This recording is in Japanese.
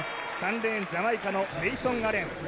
３レーンジャマイカのネイソン・アレン。